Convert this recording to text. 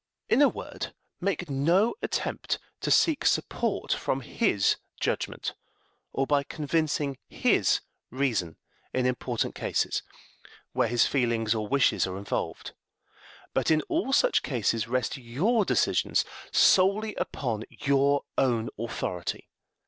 In a word, make no attempt to seek support from his judgment, or by convincing his reason, in important cases, where his feelings or wishes are involved, but in all such cases rest your decisions solely upon your own authority.